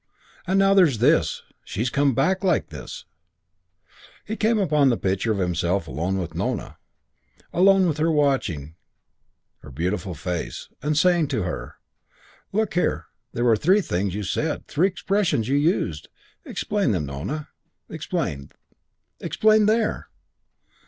And now there's this she's come back like this " He came upon the picture of himself alone with Nona alone with her watching her beautiful face and saying to her, "Look here, there were three things you said, three expressions you used. Explain them, Nona. Explain 'There!'